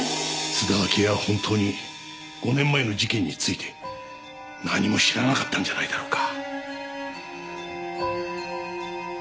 津田明江は本当に５年前の事件について何も知らなかったんじゃないだろうか。